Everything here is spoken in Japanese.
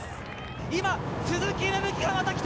今、鈴木芽吹がまた来た！